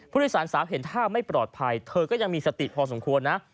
ผู้โดยสารสาวเห็นท่าไม่ปลอดภัยเธอก็ยังมีสติพอสมควรนะ